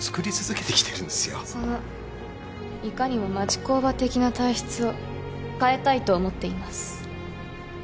そのいかにも町工場的な体質を変えたいと思っています。